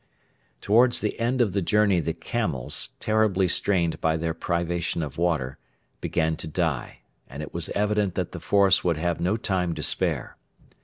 Towards the end of the journey the camels, terribly strained by their privation of water, began to die, and it was evident that the force would have no time to spare.